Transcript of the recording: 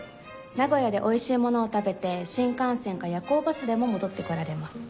名古屋でおいしいものを食べて新幹線か夜行バスでも戻ってこられます。